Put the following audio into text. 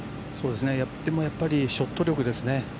でも、やっぱりショット力ですね。